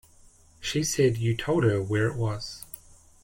She said you told her where it was.